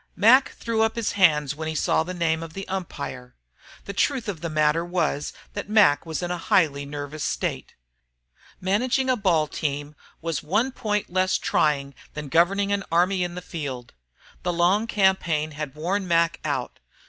Mac threw up his hands when he saw the name of the umpire. The truth of the matter was that Mac was in a highly nervous state. Managing a ball team was only one point less trying than governing an army in the field. The long campaign had worn Mac out.